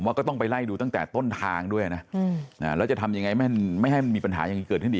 ผมว่าก็ต้องไปไล่ดูตั้งแต่ต้นทางด้วยนะแล้วจะทำยังไงไม่ให้มีปัญหายังไงเกิดขึ้นดี